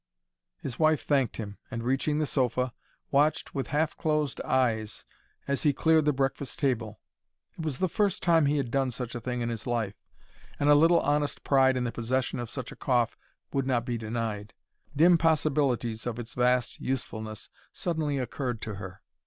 His wife thanked him, and, reaching the sofa, watched with half closed eyes as he cleared the breakfast table. It was the first time he had done such a thing in his life, and a little honest pride in the possession of such a cough would not be denied. Dim possibilities of its vast usefulness suddenly occurred to her.